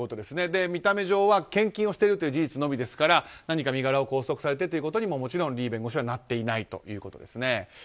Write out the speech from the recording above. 見た目上は献金をしているという事実のみですから何か身柄を拘束されてということにももちろん、リー弁護士はなっていないということです。